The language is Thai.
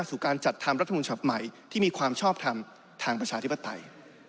สู่การจัดทำรัฐมนุนฉบับใหม่ที่มีความชอบทำทางประชาธิปไตย